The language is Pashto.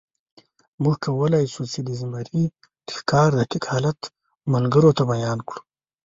موږ کولی شو، چې د زمري د ښکار دقیق حالت ملګرو ته بیان کړو.